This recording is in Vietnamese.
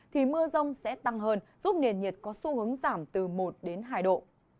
thì mưa rông sẽ tăng hơn giúp nền nhiệt có xu hướng giảm từ một đến hai độ